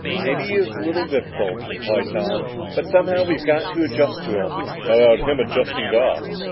"Maybe he is a little difficult," replied Tom, "but somehow, we've got to adjust to him!" "How about him adjusting to us?